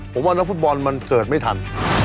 ผมว่านักฟุตบอลมันเกิดไม่ทัน